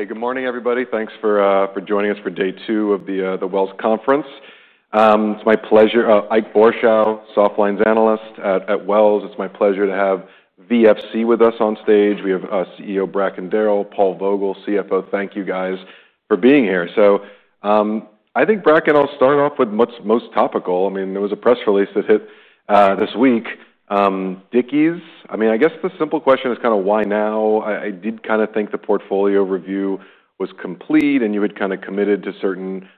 Hey, good morning, everybody. Thanks for joining us for day two of the Wells Conference. It's my pleasure, Ike Boruchow, Softlines Analyst at Wells. It's my pleasure to have VFC with us on stage. We have CEO Bracken Darrell, Paul Vogel, CFO. Thank you guys for being here. I think, Bracken, I'll start off with what's most topical. There was a press release that hit this week. Dickies, I mean, I guess the simple question is kind of why now? I did kind of think the portfolio review was complete and you had kind of committed to certain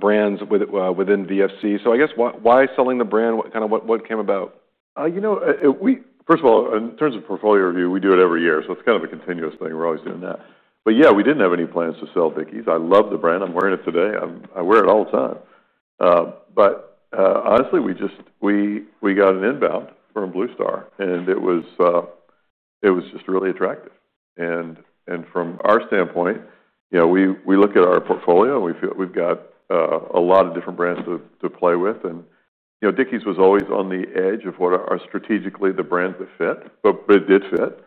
brands within VFC. I guess why selling the brand? What kind of what came about? You know, first of all, in terms of portfolio review, we do it every year. It's kind of a continuous thing. We're always doing that. We didn't have any plans to sell Dickies. I love the brand. I'm wearing it today. I wear it all the time. Honestly, we just, we got an inbound from Bluestar and it was just really attractive. From our standpoint, you know, we look at our portfolio and we feel we've got a lot of different brands to play with. Dickies was always on the edge of where strategically the brand would fit. It did fit,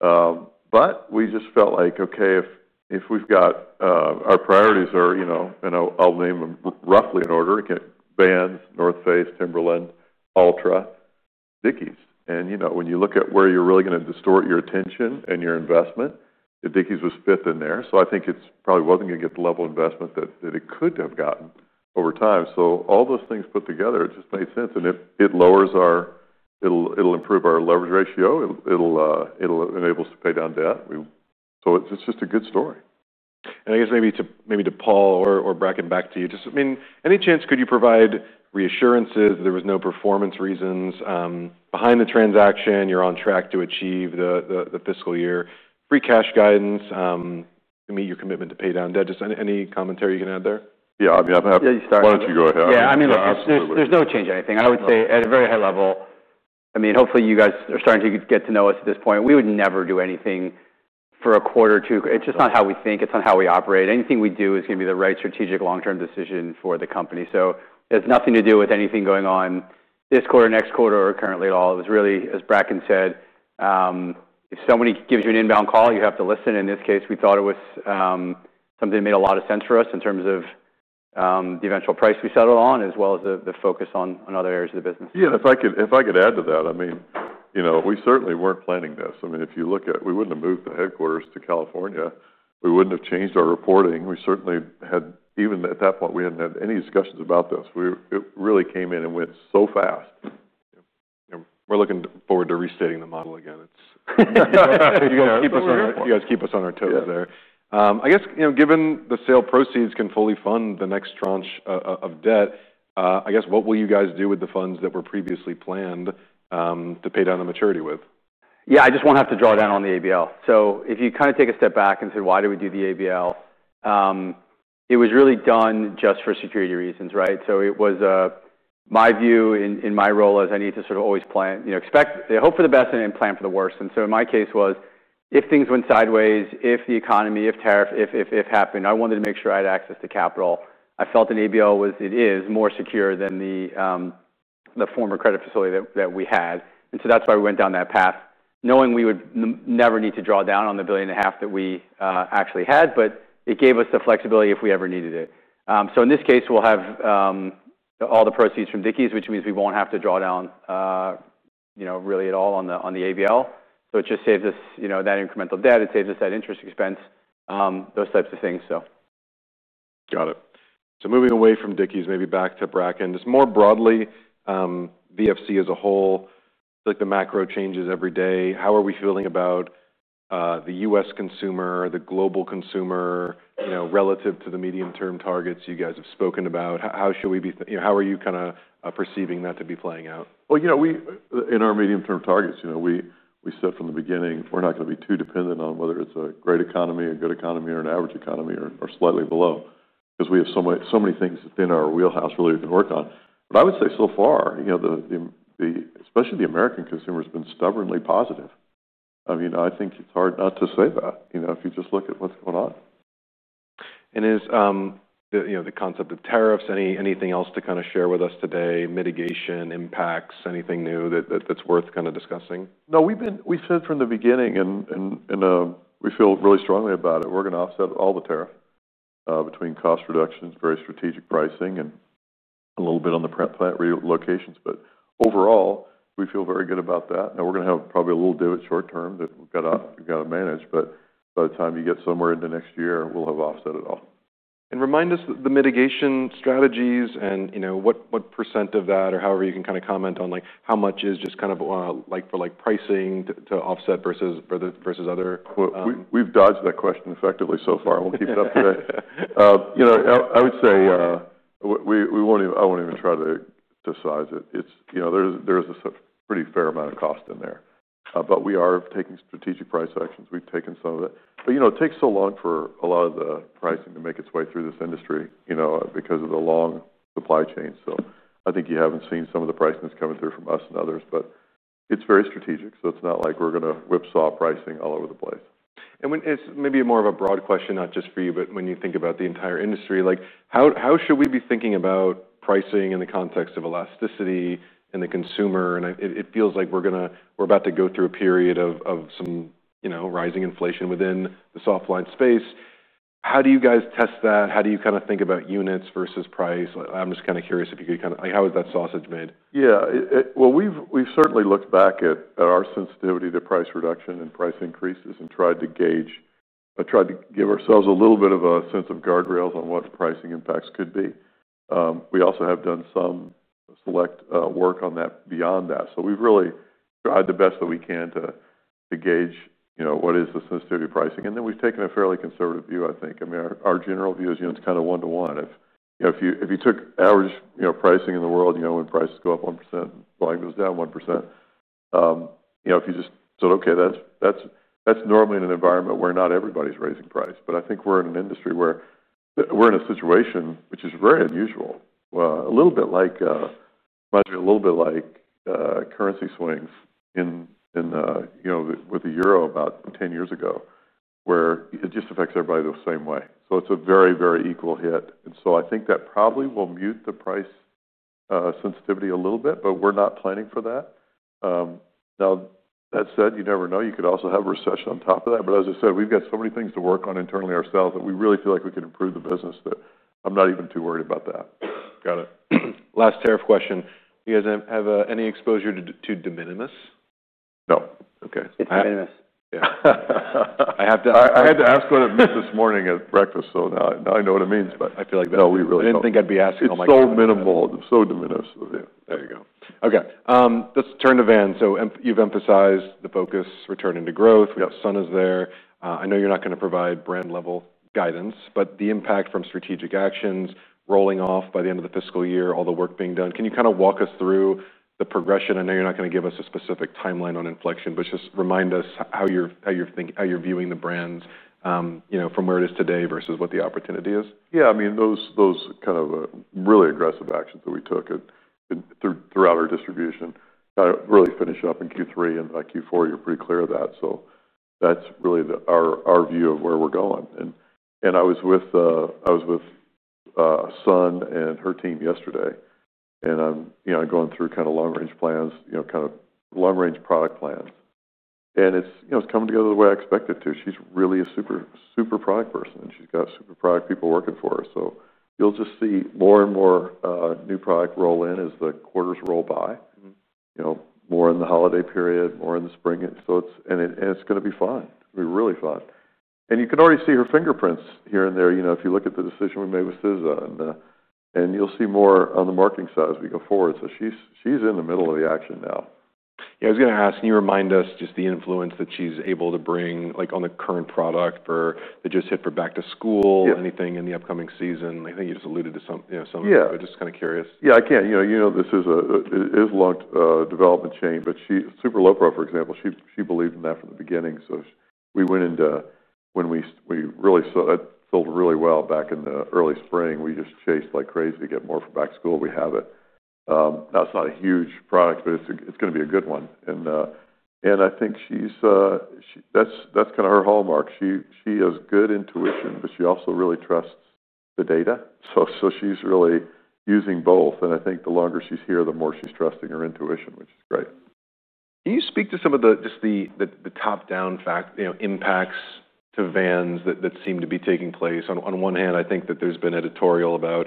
but we just felt like, okay, if we've got our priorities, you know, and I'll name them roughly in order: it's Vans, The North Face, Timberland, Altra, Dickies. You know, when you look at where you're really going to distort your attention and your investment, Dickies was fifth in there. I think it probably wasn't going to get the level of investment that it could have gotten over time. All those things put together, it just made sense. It lowers our, it'll improve our leverage ratios. It'll enable us to pay down debt. It's just a good story. I guess maybe to Paul or Bracken, back to you, any chance could you provide reassurances that there were no performance reasons behind the transaction? You're on track to achieve the fiscal year free cash guidance, meet your commitment to pay down debt. Just any commentary you can add there? Yeah, I mean, I'm happy. Why don't you go ahead? Yeah, I mean, look, there's no change in anything. I would say at a very high level, I mean, hopefully you guys are starting to get to know us at this point. We would never do anything for a quarter or two. It's just not how we think. It's not how we operate. Anything we do is going to be the right strategic long-term decision for the company. It has nothing to do with anything going on this quarter, next quarter, or currently at all. It was really, as Bracken said, if somebody gives you an inbound call, you have to listen. In this case, we thought it was something that made a lot of sense for us in terms of the eventual price we settled on, as well as the focus on other areas of the business. Yeah, if I could add to that, I mean, we certainly weren't planning this. I mean, if you look at it, we wouldn't have moved the headquarters to California. We wouldn't have changed our reporting. We certainly had, even at that point, we hadn't had any discussions about this. It really came in and went so fast. We're looking forward to restating the model again. You guys keep us on our toes there. I guess, given the sale proceeds can fully fund the next tranche of debt, what will you guys do with the funds that were previously planned to pay down the maturity with? Yeah, I just want to have to draw down on the asset-based lending facility. If you kind of take a step back and said, why do we do the asset-based lending facility? It was really done just for security reasons, right? It was my view in my role is I need to sort of always plan, you know, expect, hope for the best and plan for the worst. In my case was if things went sideways, if the economy, if tariffs, if happened, I wanted to make sure I had access to capital. I felt an asset-based lending facility was, it is more secure than the former credit facility that we had. That's why we went down that path, knowing we would never need to draw down on the $1.5 billion that we actually had, but it gave us the flexibility if we ever needed it. In this case, we'll have all the proceeds from Dickies, which means we won't have to draw down, you know, really at all on the asset-based lending facility. It just saves us, you know, that incremental debt. It saves us that interest expense, those types of things. Got it. Moving away from Dickies, maybe back to Bracken, just more broadly, VFC as a whole, like the macro changes every day. How are we feeling about the U.S. consumer, the global consumer, you know, relative to the medium-term targets you guys have spoken about? How should we be, you know, how are you kind of perceiving that to be playing out? In our medium-term targets, you know, we said from the beginning, we're not going to be too dependent on whether it's a great economy, a good economy, or an average economy, or slightly below. We have so many things in our wheelhouse really we can work on. I would say so far, you know, especially the American consumer has been stubbornly positive. I mean, I think it's hard not to say that, you know, if you just look at what's going on. Is the concept of tariffs, anything else to kind of share with us today? Mitigation, impacts, anything new that's worth kind of discussing? No, we've been, we said from the beginning, and we feel really strongly about it. We're going to offset all the tariffs between cost reductions, very strategic pricing, and a little bit on the plant relocations. Overall, we feel very good about that. We're going to have probably a little do it short term that we've got to manage, but by the time you get somewhere into next year, we'll have offset it all. Remind us the mitigation strategies, and what % of that or however you can kind of comment on, like, how much is just kind of like for like pricing to offset versus other. We've dodged that question effectively so far. We'll keep it up today. I would say we won't even, I won't even try to size it. There is a pretty fair amount of cost in there, but we are taking strategic price actions. We've taken some of it. It takes so long for a lot of the pricing to make its way through this industry because of the long supply chain. I think you haven't seen some of the pricing that's coming through from us and others, but it's very strategic. It's not like we're going to whipsaw pricing all over the place. When it's maybe more of a broad question, not just for you, but when you think about the entire industry, how should we be thinking about pricing in the context of elasticity and the consumer? It feels like we're about to go through a period of some rising inflation within the soft line space. How do you guys test that? How do you think about units versus price? I'm just curious if you could, how is that sausage made? Yeah, we've certainly looked back at our sensitivity to price reduction and price increases and tried to gauge, tried to give ourselves a little bit of a sense of guardrails on what pricing impacts could be. We also have done some select work on that beyond that. We've really tried the best that we can to gauge, you know, what is the sensitivity pricing. Then we've taken a fairly conservative view, I think. I mean, our general view is, you know, it's kind of one-to-one. If you took average, you know, pricing in the world, you know, when prices go up 1% and volume goes down 1%, you know, if you just said, okay, that's normally in an environment where not everybody's raising price. I think we're in an industry where we're in a situation which is very unusual, a little bit like, a little bit like currency swings in, you know, with the euro about 10 years ago, where it just affects everybody the same way. It's a very, very equal hit. I think that probably will mute the price sensitivity a little bit, but we're not planning for that. That said, you never know. You could also have a recession on top of that. As I said, we've got so many things to work on internally ourselves that we really feel like we can improve the business that I'm not even too worried about that. Got it. Last tariff question. Do you guys have any exposure to de minimis? No. Okay. It's de minimis. Yeah, I have to. I had to ask what it meant this morning at breakfast. Now I know what it means. I feel like that's the only thing I'd be asking all my clients. So minimal, de minimis. There you go. Okay. Let's turn to Vans. You've emphasized the focus returning to growth. Sun is there. I know you're not going to provide brand level guidance, but the impact from strategic actions rolling off by the end of the fiscal year, all the work being done. Can you kind of walk us through the progression? I know you're not going to give us a specific timeline on inflection, but just remind us how you're viewing the brands, you know, from where it is today versus what the opportunity is. Yeah, I mean, those kind of really aggressive actions that we took throughout our distribution really finish up in Q3, and by Q4, you're pretty clear of that. That's really our view of where we're going. I was with Sun and her team yesterday, going through kind of long-range plans, kind of long-range product plans, and it's coming together the way I expect it to. She's really a super, super product person, and she's got super product people working for her. You'll just see more and more new product roll in as the quarters roll by, more in the holiday period, more in the spring. It's going to be fun. It'll be really fun. You can already see her fingerprints here and there if you look at the decision we made with SZA, and you'll see more on the marketing side as we go forward. She's in the middle of the action now. Yeah, I was going to ask, can you remind us just the influence that she's able to bring on the current product for the just hit for back to school, anything in the upcoming season? I think you just alluded to some, you know, some, just kind of curious. Yeah, this is a long development chain, but she, Super Lowpro, for example, she believed in that from the beginning. We went into, when we really sold really well back in the early spring, we just chased like crazy to get more for back to school. We have it. That's not a huge product, but it's going to be a good one. I think she's, that's kind of her hallmark. She has good intuition, but she also really trusts the data. She's really using both. I think the longer she's here, the more she's trusting her intuition, which is great. Can you speak to some of the just the top-down fact, you know, impacts to Vans that seem to be taking place? On one hand, I think that there's been editorial about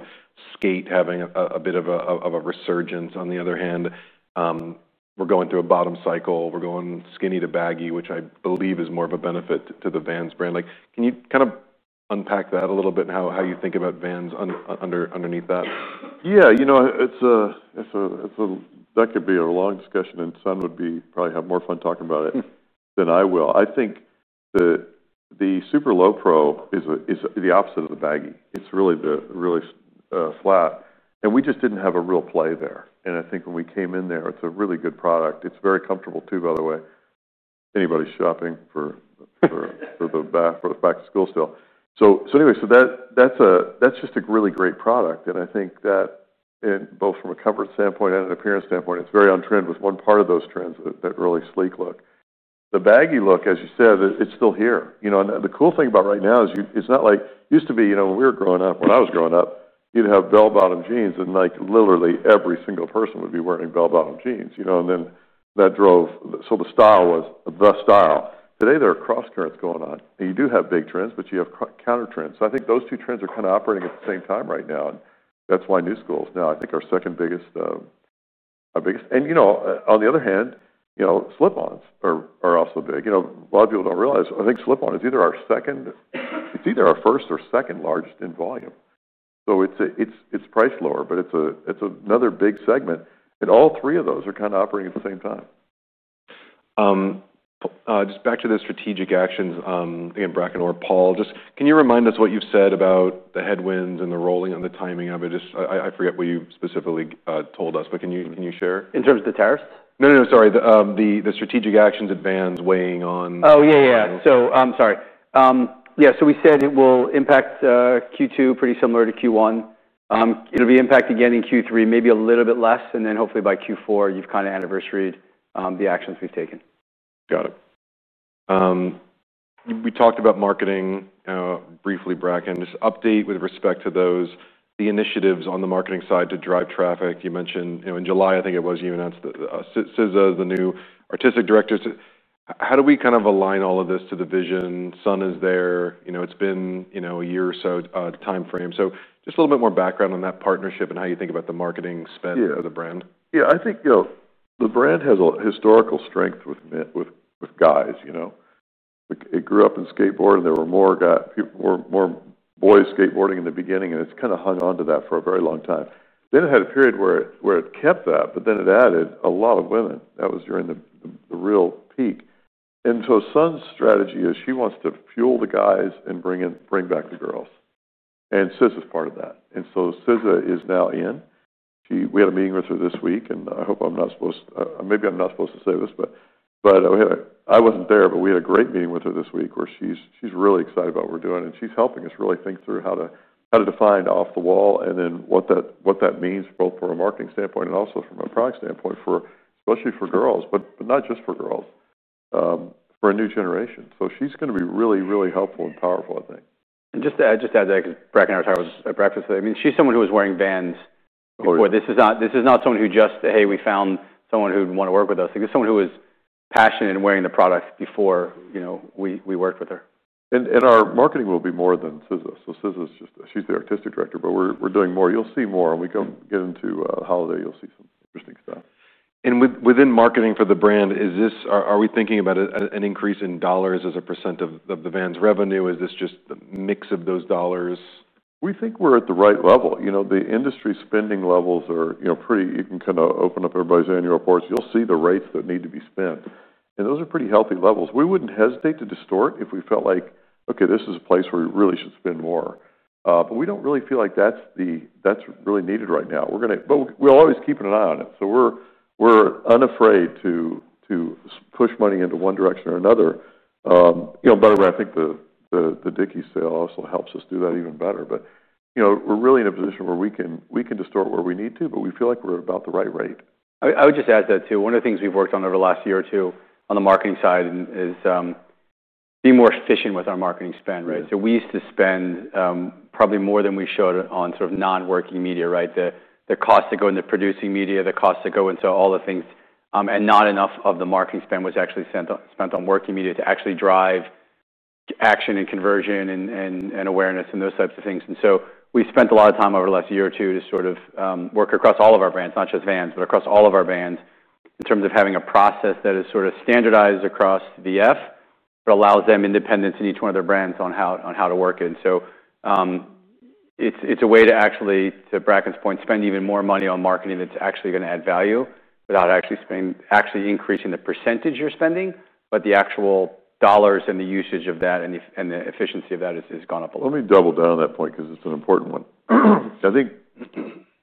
skate having a bit of a resurgence. On the other hand, we're going through a bottom cycle. We're going skinny to baggy, which I believe is more of a benefit to the Vans brand. Like, can you kind of unpack that a little bit and how you think about Vans underneath that? Yeah, you know, that could be a long discussion and Sun would probably have more fun talking about it than I will. I think the Super Lowpro is the opposite of the baggy. It's really flat. We just didn't have a real play there. I think when we came in there, it's a really good product. It's very comfortable too, by the way. Anybody shopping for the back to school still. That's just a really great product. I think that in both from a comfort standpoint and an appearance standpoint, it's very on trend with one part of those trends, that really sleek look. The baggy look, as you said, is still here. The cool thing about right now is it's not like it used to be. When we were growing up, when I was growing up, you'd have bell-bottom jeans and literally every single person would be wearing bell-bottom jeans, and then that drove, so the style was the style. Today there are cross currents going on. You do have big trends, but you have counter trends. I think those two trends are kind of operating at the same time right now. That's why new schools now, I think our second biggest, our biggest, and on the other hand, slip-ons are also big. A lot of people don't realize, I think slip-on is either our second, it's either our first or second largest in volume. It's priced lower, but it's another big segment. All three of those are kind of operating at the same time. Just back to the strategic actions, again, Bracken or Paul, can you remind us what you've said about the headwinds and the rolling and the timing of it? I forget what you specifically told us, but can you share? In terms of the tariffs? Sorry. The strategic actions at Vans weighing on. Yeah, we said it will impact Q2 pretty similar to Q1. It'll be impacted again in Q3, maybe a little bit less, and then hopefully by Q4, you've kind of anniversaried the actions we've taken. Got it. We talked about marketing briefly, Bracken, just update with respect to those, the initiatives on the marketing side to drive traffic. You mentioned, you know, in July, I think it was you announced that SZA is the new Artistic Director. How do we kind of align all of this to the vision? Sun is there, you know, it's been, you know, a year or so time frame. Just a little bit more background on that partnership and how you think about the marketing spend for the brand. Yeah, I think, you know, the brand has a historical strength with guys, you know. It grew up in skateboarding. There were more guys, people were more boys skateboarding in the beginning, and it's kind of hung onto that for a very long time. It had a period where it kept that, but then it added a lot of women. That was during the real peak. Sun's strategy is she wants to fuel the guys and bring back the girls. SZA is part of that. SZA is now in. We had a meeting with her this week, and I hope I'm not supposed to, maybe I'm not supposed to say this, but I wasn't there, but we had a great meeting with her this week where she's really excited about what we're doing, and she's helping us really think through how to define off the wall and then what that means both from a marketing standpoint and also from a product standpoint, especially for girls, but not just for girls, for a new generation. She's going to be really, really helpful and powerful, I think. To add to that, because Bracken and I were talking about this at breakfast today, she's someone who was wearing Vans before. This is not someone who just, hey, we found someone who'd want to work with us. This is someone who was passionate in wearing the products before we worked with her. Our marketing will be more than SZA. SZA is just, she's the Artistic Director, but we're doing more. You'll see more, and as we get into the holiday, you'll see some interesting stuff. Within marketing for the brand, is this, are we thinking about an increase in dollars as a % of the Vans revenue? Is this just the mix of those dollars? We think we're at the right level. The industry spending levels are pretty, you can kind of open up everybody's annual reports. You'll see the rates that need to be spent, and those are pretty healthy levels. We wouldn't hesitate to distort if we felt like, okay, this is a place where we really should spend more. We don't really feel like that's really needed right now. We're going to, but we're always keeping an eye on it. We're unafraid to push money into one direction or another. By the way, I think the Dickies sale also helps us do that even better. We're really in a position where we can distort where we need to, but we feel like we're at about the right rate. I would just add that too. One of the things we've worked on over the last year or two on the marketing side is being more efficient with our marketing spend, right? We used to spend probably more than we should on sort of non-working media, right? The cost to go into producing media, the cost to go into all the things, and not enough of the marketing spend was actually spent on working media to actually drive action and conversion and awareness and those types of things. We spent a lot of time over the last year or two to sort of work across all of our brands, not just Vans, but across all of our brands in terms of having a process that is sort of standardized across VF, but allows them independence in each one of their brands on how to work it. It's a way to actually, to Bracken point, spend even more money on marketing that's actually going to add value without actually increasing the percentage you're spending, but the actual dollars and the usage of that and the efficiency of that has gone up a lot. Let me double down on that point because it's an important one. I think,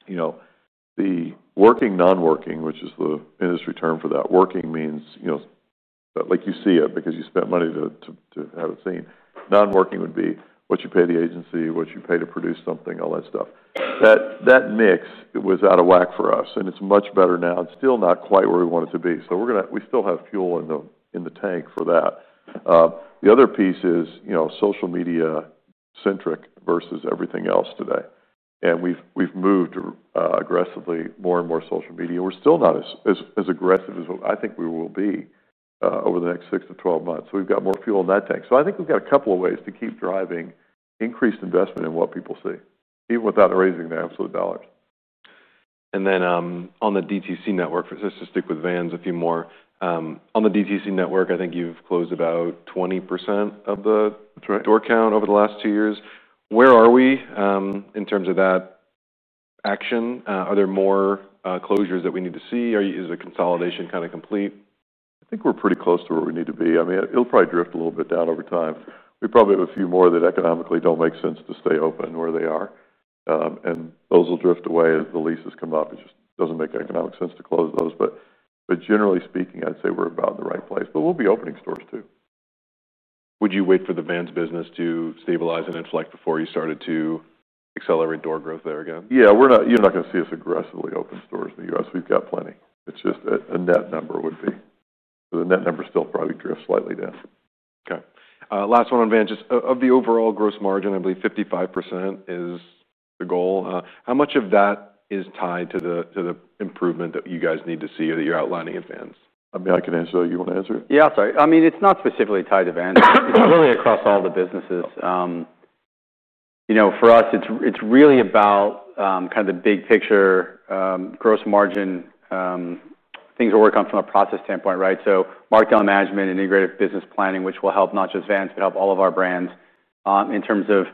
you know, the working non-working, which is the industry term for that, working means, you know, like you see it because you spent money to have it seen. Non-working would be what you pay the agency, what you pay to produce something, all that stuff. That mix was out of whack for us, and it's much better now. It's still not quite where we want it to be. We still have fuel in the tank for that. The other piece is, you know, social media-centric versus everything else today. We've moved aggressively more and more social media. We're still not as aggressive as I think we will be over the next six to twelve months. We've got more fuel in that tank. I think we've got a couple of ways to keep driving increased investment in what people see, even without raising the absolute dollars. On the direct-to-consumer network, just to stick with Vans a few more, on the direct-to-consumer network, I think you've closed about 20% of the door count over the last two years. Where are we in terms of that action? Are there more closures that we need to see? Is the consolidation kind of complete? I think we're pretty close to where we need to be. I mean, it'll probably drift a little bit down over time. We probably have a few more that economically don't make sense to stay open where they are, and those will drift away as the leases come up. It just doesn't make economic sense to close those. Generally speaking, I'd say we're about in the right place. We'll be opening stores too. Would you wait for the Vans business to stabilize and inflect before you started to accelerate door growth there again? Yeah, you're not going to see us aggressively open stores in the U.S. We've got plenty. The net number would be, the net number still probably drifts slightly down. Okay. Last one on Vans. Of the overall gross margin, I believe 55% is the goal. How much of that is tied to the improvement that you guys need to see or that you're outlining in Vans? I can answer that. You want to answer it? Yeah, I'll try. I mean, it's not specifically tied to Vans. It's really across all the businesses. For us, it's really about kind of the big picture, gross margin, things we're working on from a process standpoint, right? Markdown management, integrative business planning, which will help not just Vans, but help all of our brands in terms of,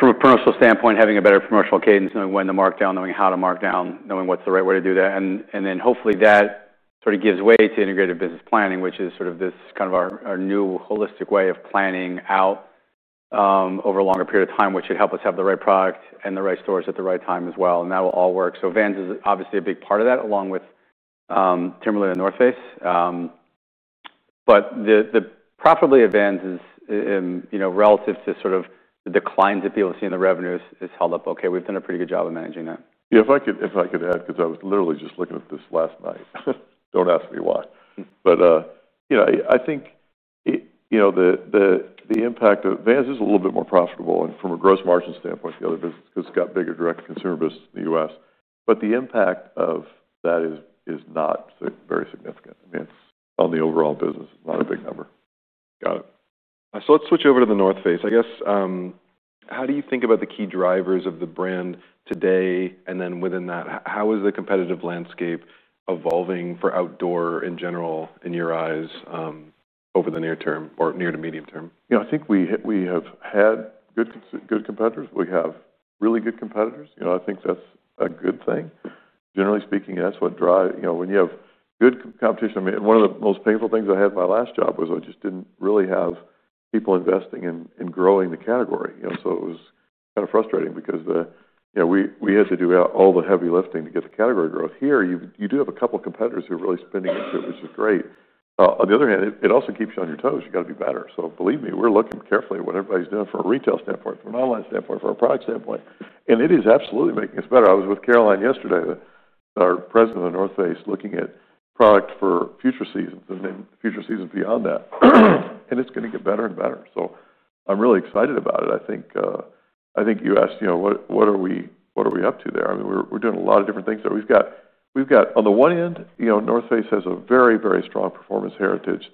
from a promotional standpoint, having a better promotional cadence, knowing when to mark down, knowing how to mark down, knowing what's the right way to do that. Hopefully that sort of gives way to integrative business planning, which is sort of this kind of our new holistic way of planning out over a longer period of time, which should help us have the right product and the right stores at the right time as well. That will all work. Vans is obviously a big part of that, along with Timberland and North Face. The profitability of Vans is, you know, relative to sort of the declines that people see in the revenues, has held up. Okay, we've done a pretty good job of managing that. Yeah, if I could add, because I was literally just looking at this last night, don't ask me why. I think the impact of Vans is a little bit more profitable, and from a gross margin standpoint, the other business has got bigger direct-to-consumer business in the U.S. The impact of that is not very significant. I mean, it's on the overall business, not a big number. Got it. Let's switch over to The North Face. I guess, how do you think about the key drivers of the brand today? Within that, how is the competitive landscape evolving for outdoor in general, in your eyes, over the near term or near to medium term? I think we have had good competitors. We have really good competitors. I think that's a good thing. Generally speaking, that's what drives, when you have good competition. One of the most painful things I had in my last job was I just didn't really have people investing in growing the category. It was kind of frustrating because we had to do all the heavy lifting to get the category growth. Here, you do have a couple of competitors who are really spending into it, which is great. On the other hand, it also keeps you on your toes. You got to be better. Believe me, we're looking carefully at what everybody's doing from a retail standpoint, from an online standpoint, from a product standpoint. It is absolutely making us better. I was with Caroline yesterday, our President of The North Face, looking at product for future seasons and then future seasons beyond that. It's going to get better and better. I'm really excited about it. I think you asked what are we up to there. We're doing a lot of different things that we've got. On the one end, The North Face has a very, very strong performance heritage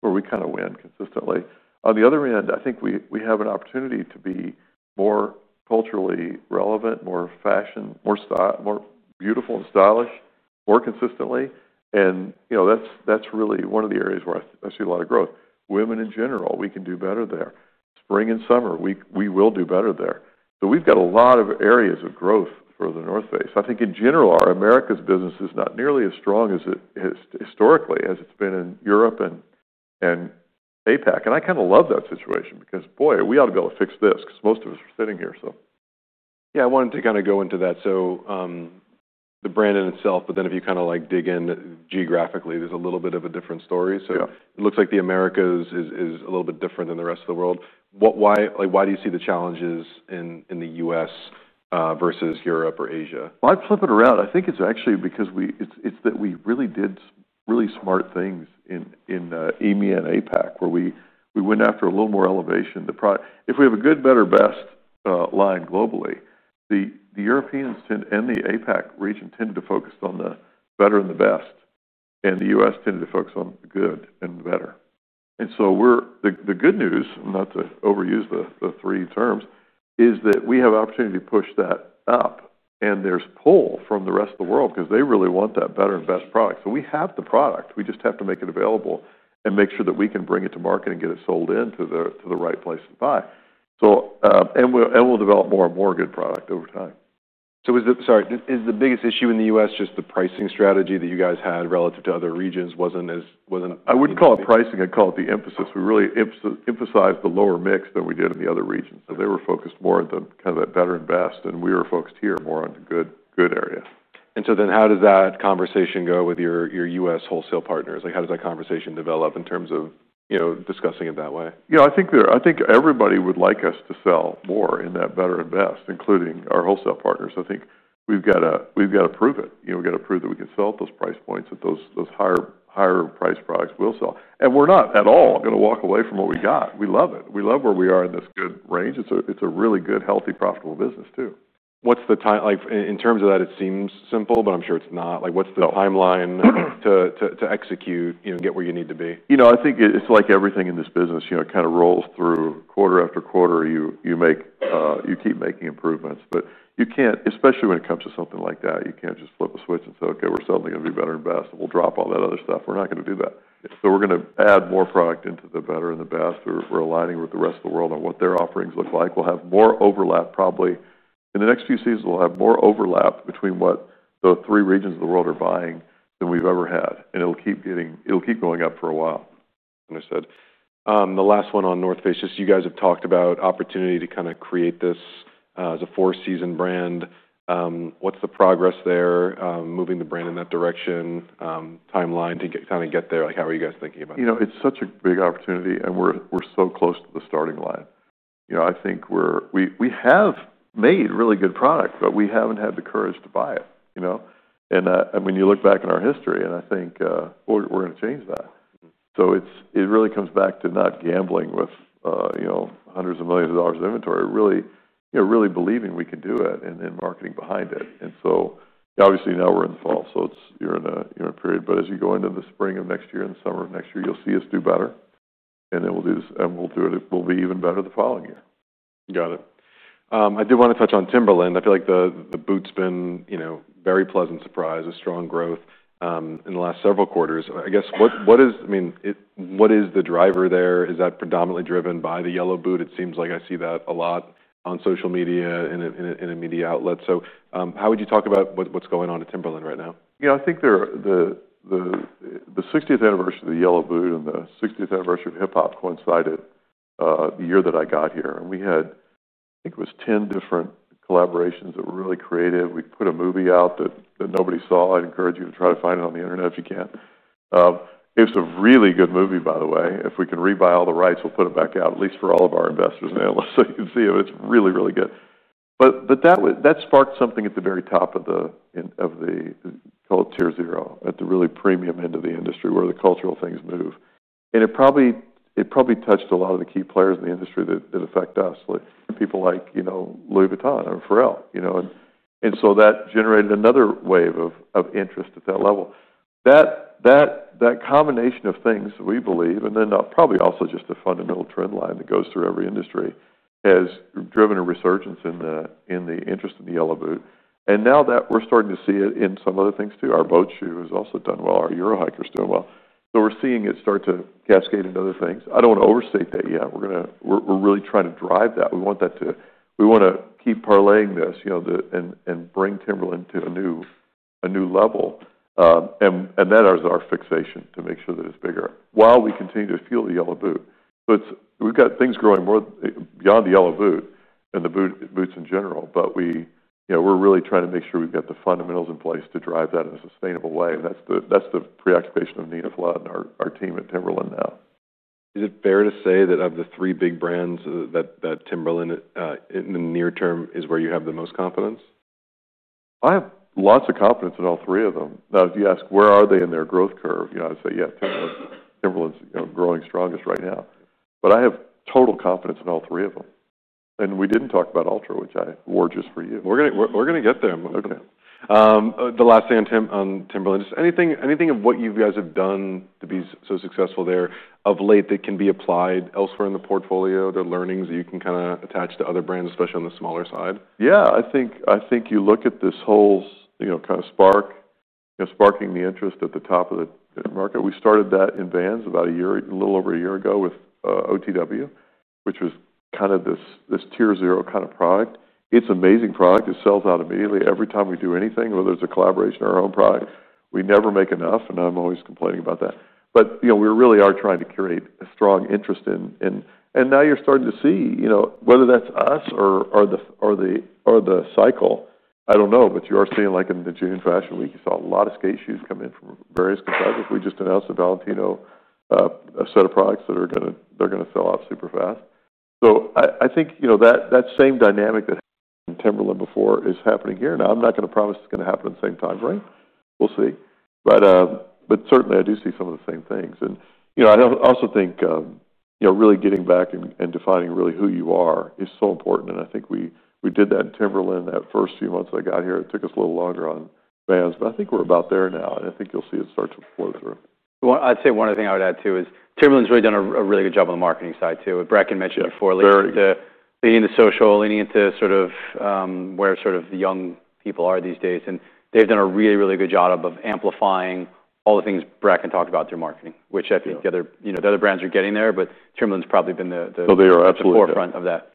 where we kind of win consistently. On the other end, I think we have an opportunity to be more culturally relevant, more fashion, more style, more beautiful and stylish, more consistently. That's really one of the areas where I see a lot of growth. Women in general, we can do better there. Spring and summer, we will do better there. We've got a lot of areas of growth for The North Face. I think in general, our Americas business is not nearly as strong as it has historically been in Europe and APAC. I kind of love that situation because, boy, we ought to be able to fix this because most of us are sitting here. I wanted to kind of go into that. The brand in itself, but then if you kind of like dig in geographically, there's a little bit of a different story. It looks like the Americas is a little bit different than the rest of the world. Why do you see the challenges in the U.S. versus Europe or Asia? I think it's actually because we really did really smart things in EMEA and APAC, where we went after a little more elevation. If we have a good, better, best line globally, the Europeans and the APAC region tended to focus on the better and the best, and the U.S. tended to focus on the good and the better. The good news, not to overuse the three terms, is that we have opportunity to push that up, and there's pull from the rest of the world because they really want that better and best product. We have the product. We just have to make it available and make sure that we can bring it to market and get it sold into the right place to buy, and we'll develop more and more good product over time. Is the biggest issue in the U.S. just the pricing strategy that you guys had relative to other regions? Wasn't as, wasn't. I wouldn't call it pricing. I'd call it the emphasis. We really emphasized the lower mix than we did in the other regions. They were focused more on kind of that better and best, and we were focused here more on the good area. How does that conversation go with your U.S. wholesale partners? How does that conversation develop in terms of discussing it that way? I think everybody would like us to sell more in that better and best, including our wholesale partners. I think we've got to prove it. We've got to prove that we can sell at those price points, that those higher priced products will sell. We're not at all going to walk away from what we got. We love it. We love where we are in this good range. It's a really good, healthy, profitable business too. What's the timeline? In terms of that, it seems simple, but I'm sure it's not. What's the timeline to execute, you know, get where you need to be? I think it's like everything in this business, it kind of rolls through quarter after quarter. You keep making improvements, but you can't, especially when it comes to something like that, you can't just flip a switch and say, okay, we're selling to be better and best. We'll drop all that other stuff. We're not going to do that. We're going to add more product into the better and the best. We're aligning with the rest of the world on what their offerings look like. We'll have more overlap, probably in the next few seasons. We'll have more overlap between what the three regions of the world are buying than we've ever had. It'll keep going up for a while. Understood. The last one on The North Face, just you guys have talked about opportunity to kind of create this as a four-season brand. What's the progress there? Moving the brand in that direction, timeline to kind of get there. Like, how are you guys thinking about it? You know, it's such a big opportunity and we're so close to the starting line. I think we have made really good products, but we haven't had the courage to buy it, you know? When you look back in our history, I think we're going to change that. It really comes back to not gambling with hundreds of millions of dollars of inventory, really believing we can do it and then marketing behind it. Obviously, now we're in the fall. You're in a period, but as you go into the spring of next year and the summer of next year, you'll see us do better. We'll do this, and we'll do it. It will be even better the following year. Got it. I do want to touch on Timberland. I feel like the boot's been a very pleasant surprise, a strong growth in the last several quarters. I guess what is, I mean, what is the driver there? Is that predominantly driven by the Yellow Boot? It seems like I see that a lot on social media and in a media outlet. How would you talk about what's going on at Timberland right now? I think the 60th anniversary of the Yellow Boot and the 60th anniversary of hip hop coincided the year that I got here. We had, I think it was 10 different collaborations that were really creative. We put a movie out that nobody saw. I'd encourage you to try to find it on the internet if you can. It's a really good movie, by the way. If we can rebuy all the rights, we'll put it back out, at least for all of our investors and analysts so you can see it. It's really, really good. That sparked something at the very top of the, call it tier zero, at the really premium end of the industry where the cultural things move. It probably touched a lot of the key players in the industry that affect us, like people like Louis Vuitton and Pharrell, and so that generated another wave of interest at that level. That combination of things that we believe, and then probably also just a fundamental trend line that goes through every industry, has driven a resurgence in the interest in the Yellow Boot. Now that we're starting to see it in some other things too, our boat shoe has also done well. Our Euro hiker is doing well. We're seeing it start to cascade into other things. I don't want to overstate that yet. We're really trying to drive that. We want to keep parlaying this and bring Timberland to a new level. That is our fixation, to make sure that it's bigger while we continue to fuel the Yellow Boot. We've got things growing more beyond the Yellow Boot and the boots in general, but we're really trying to make sure we've got the fundamentals in place to drive that in a sustainable way. That is the preoccupation of Nina Flood and our team at Timberland now. Is it fair to say that of the three big brands that Timberland in the near term is where you have the most confidence? I have lots of confidence in all three of them. Now, if you ask where are they in their growth curve, you know, I'd say, yeah, Timberland's growing strongest right now. I have total confidence in all three of them. We didn't talk about Altra, which I wore just for you. We're going to get there. The last thing on Timberland, just anything of what you guys have done to be so successful there of late that can be applied elsewhere in the portfolio, the learnings that you can kind of attach to other brands, especially on the smaller side? Yeah, I think you look at this whole, you know, kind of spark, you know, sparking the interest at the top of the market. We started that in Vans about a year, a little over a year ago with OTW, which was kind of this tier zero kind of product. It's an amazing product. It sells out immediately. Every time we do anything, whether it's a collaboration or our own product, we never make enough. I'm always complaining about that. You know, we really are trying to create a strong interest in, and now you're starting to see, you know, whether that's us or the cycle, I don't know, but you are seeing like in the June Fashion Week, you saw a lot of skate shoes coming in from various competitors. We just announced the Valentino, a set of products that are going to, they're going to sell out super fast. I think that same dynamic that Timberland before is happening here. Now, I'm not going to promise it's going to happen in the same timeframe. We'll see. Certainly I do see some of the same things. You know, I also think really getting back and defining really who you are is so important. I think we did that in Timberland that first few months I got here. It took us a little longer on Vans, but I think we're about there now. I think you'll see it start to flow through. I would say one other thing I would add too is Timberland's really done a really good job on the marketing side too. Bracken mentioned it before, leading into social, leading into sort of where the young people are these days. They've done a really, really good job of amplifying all the things Bracken talked about through marketing, which I think the other brands are getting there, but Timberland's probably been the forefront of that.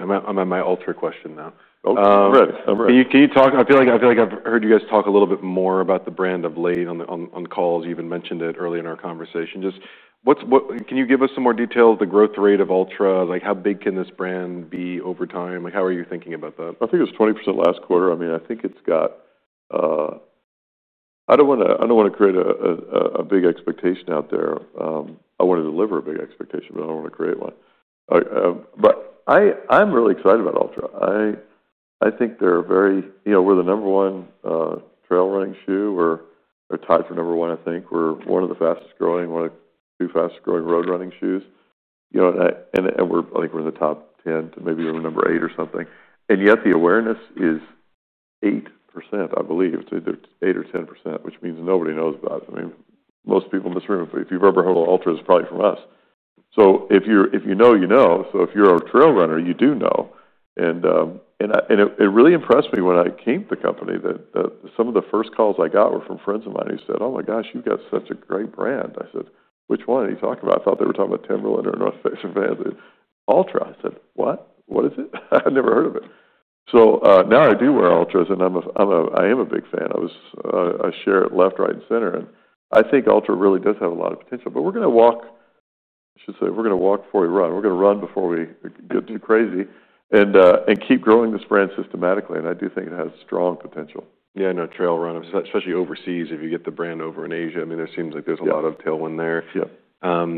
I'm at my Altra question now. Oh, I'm ready. Can you talk? I feel like I've heard you guys talk a little bit more about the brand of late on calls. You even mentioned it early in our conversation. Can you give us some more detail? The growth rate of Altra, like how big can this brand be over time? How are you thinking about that? I think it was 20% last quarter. I mean, I think it's got, I don't want to create a big expectation out there. I want to deliver a big expectation, but I don't want to create one. I'm really excited about Altra. I think they're very, you know, we're the number one trail running shoe. We're tied for number one, I think. We're one of the fastest growing, one of the two fastest growing road running shoes. You know, and we're, I think we're in the top 10 to maybe even number eight or something. Yet the awareness is 8%, I believe. It's 8% or 10%, which means nobody knows about it. I mean, most people in this room, if you've ever heard of Altra, it's probably from us. If you know, you know. If you're a trail runner, you do know. It really impressed me when I came to the company that some of the first calls I got were from friends of mine who said, "Oh my gosh, you've got such a great brand." I said, "Which one are you talking about?" I thought they were talking about Timberland or The North Face or Vans. Altra. I said, "What? What is it? I've never heard of it." Now I do wear Altras and I'm a, I am a big fan. I share it left, right, and center. I think Altra really does have a lot of potential, but we're going to walk, I should say we're going to walk before we run. We're going to run before we get too crazy and keep growing this brand systematically. I do think it has strong potential. Yeah, I know trail runners, especially overseas, if you get the brand over in Asia, there seems like there's a lot of tailwind there. Yeah.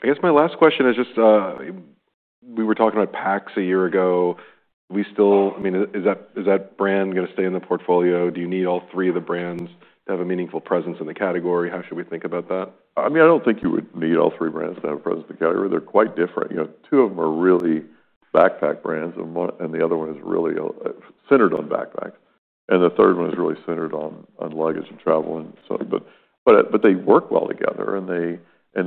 I guess my last question is just, we were talking about PAX a year ago. We still, I mean, is that brand going to stay in the portfolio? Do you need all three of the brands to have a meaningful presence in the category? How should we think about that? I mean, I don't think you would need all three brands to have a presence in the category. They're quite different. Two of them are really backpack brands and the other one is really centered on backpack. The third one is really centered on luggage and travel. They work well together and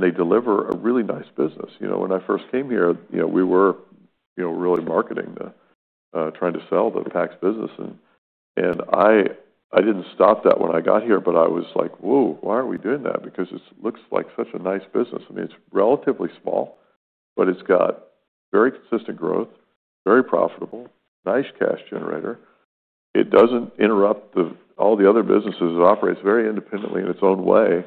they deliver a really nice business. When I first came here, we were really marketing the, trying to sell the PAX business. I didn't stop that when I got here, but I was like, "Whoa, why are we doing that?" because it looks like such a nice business. I mean, it's relatively small, but it's got very consistent growth, very profitable, nice cash generator. It doesn't interrupt all the other businesses. It operates very independently in its own way.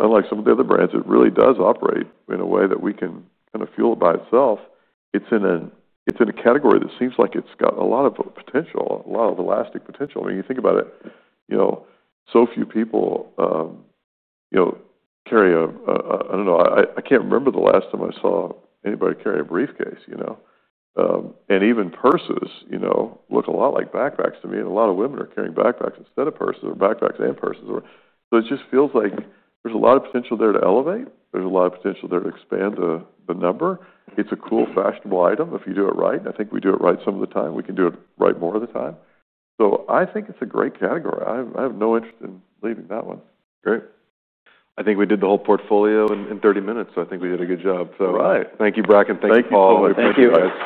Unlike some of the other brands, it really does operate in a way that we can kind of fuel it by itself. It's in a category that seems like it's got a lot of potential, a lot of elastic potential. I mean, you think about it, so few people carry a, I don't know, I can't remember the last time I saw anybody carry a briefcase. Even purses look a lot like backpacks to me. A lot of women are carrying backpacks instead of purses or backpacks and purses. It just feels like there's a lot of potential there to elevate. There's a lot of potential there to expand the number. It's a cool, fashionable item if you do it right. I think we do it right some of the time. We can do it right more of the time. I think it's a great category. I have no interest in leaving that one. Great. I think we did the whole portfolio in 30 minutes. I think we did a good job. Thank you, Bracken. Thank you all. Thank you.